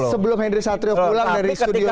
sebelum hendri satrio pulang dari studio ini